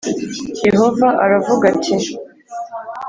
Yehova aravuga ati